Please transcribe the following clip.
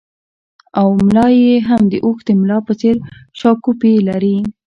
او ملا یې هم د اوښ د ملا په څېر شاکوپي لري